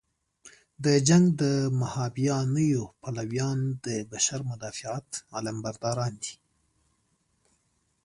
د جنګ د مهابیانیو پلویان د بشر مدافعت علمبرداران دي.